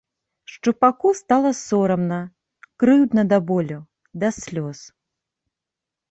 Шчупаку стала сорамна, крыўдна да болю, да слёз.